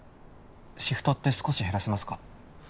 シフトって少し減らせますか？